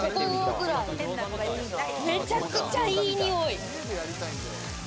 めちゃくちゃいいにおい。